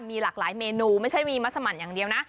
มีหลากหลายเมนูไม่ใช่มีมัสมันอย่างเดียวนะ